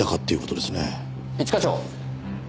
一課長！